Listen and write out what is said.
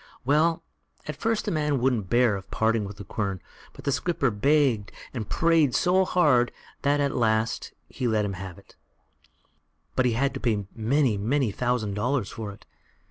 Well, at first the man wouldn't hear of parting with the quern; but the skipper begged and prayed so hard that at last he let him have it, but he had to pay many, many thousand dollars for it.